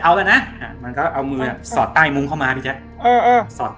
เอากันนะมันก็เอามือสอดใต้มุ้งเข้ามาพี่แจ๊คสอด